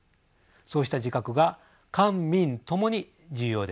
そうした自覚が官民共に重要でしょう。